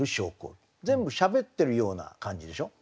全部しゃべってるような感じでしょ？